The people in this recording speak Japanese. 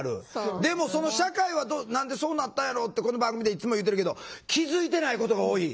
でもその社会は何でそうなったんやろうってこの番組でいっつも言うてるけど気付いてないことが多い。